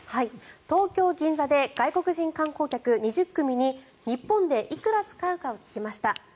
東京・銀座で外国人観光客２０組に日本でいくら使うかを聞きました。